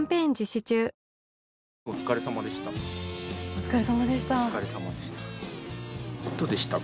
お疲れさまでした。